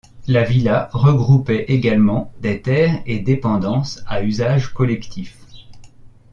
La villa regroupait également des terres et dépendances à usage collectif.